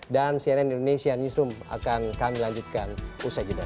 dan cnn indonesia newsroom akan kami lanjutkan usai jendela